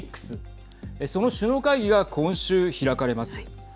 その首脳会議が今週開かれます。